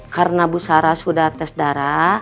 karena bu sarah sudah tes darah